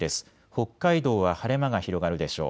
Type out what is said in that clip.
北海道は晴れ間が広がるでしょう。